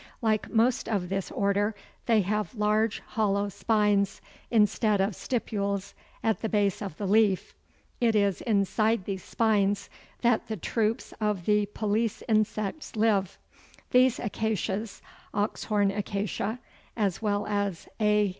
Like most of this order, they have large hollow spines instead of stipules at the base of the leaf. It is inside these spines that the troops of the police insects live. These Acacias (Oxhorn Acacia, as well as _A.